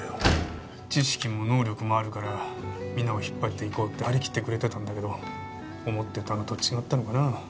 知識も能力もあるからみんなを引っ張っていこうって張り切ってくれてたんだけど思ってたのと違ったのかな。